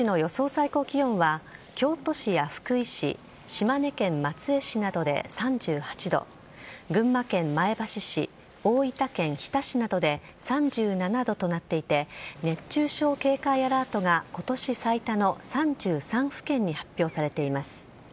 最高気温は、京都市や福井市、島根県松江市などで３８度、群馬県前橋市、大分県日田市などで３７度となっていて、熱中症警戒アラートがことし最多の３３府県に発表されています。